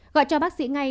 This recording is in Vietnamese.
gọi cho bác sĩ ngay